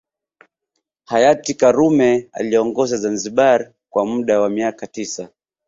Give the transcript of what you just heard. Hayati karume aliongoza Zanzibar kwa muda wa miaka tisa